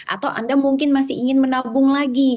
atau anda mungkin masih ingin menabung lagi